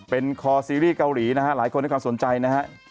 เป็นคอซีรีส์เกาหลีนะฮะหลายคนให้ความสนใจนะฮะ